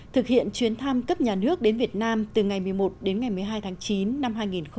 thực hiện chuyến thăm cấp nhà nước đến việt nam từ ngày một mươi một đến ngày một mươi hai tháng chín năm hai nghìn một mươi chín